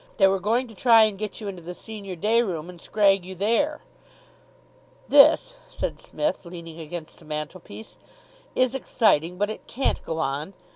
"They were going to try and get you into the senior day room and scrag you there." "This," said Psmith, leaning against the mantelpiece, "is exciting, but it can't go on.